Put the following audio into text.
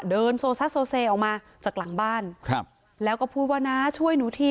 เดินโซซ่าโซเซออกมาจากหลังบ้านครับแล้วก็พูดว่าน้าช่วยหนูที